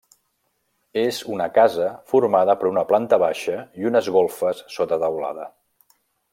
És una casa formada per una planta baixa i unes golfes sota teulada.